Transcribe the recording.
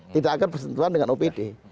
tidak akan bersentuhan dengan opd